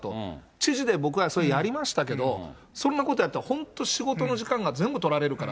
知事で僕はそれやりましたけど、そんなことやったら、本当仕事の時間が全部取られるから。